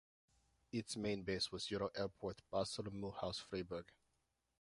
Its main base was EuroAirport Basel-Mulhouse-Freiburg.